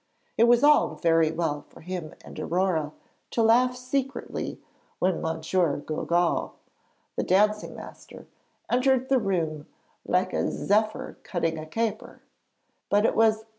It was all very well for him and Aurore to laugh secretly when M. Gogault, the dancing master, entered the room 'like a zephyr cutting a caper'; but it was M.